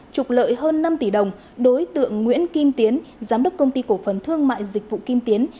trục lợi hơn năm tỷ đồng đối tượng nguyễn kim tiến giám đốc công ty cổ phần thương mại dịch vụ kim tiến